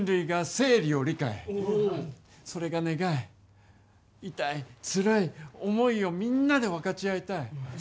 それが願い痛いツラい思いをみんなで分かち合いたい